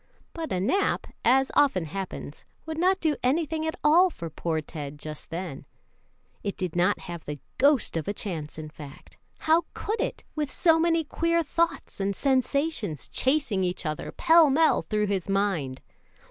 But a nap, as often happens, would not do anything at all for poor Ted just then. It did not have the ghost of a chance, in fact. How could it with so many queer thoughts and sensations chasing each other pell mell through his mind.